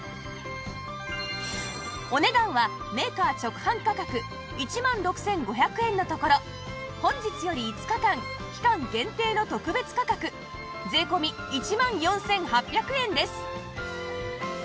お値段はメーカー直販価格１万６５００円のところ本日より５日間期間限定の特別価格税込１万４８００円です